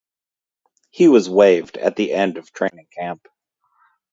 He was waived at the end of training camp.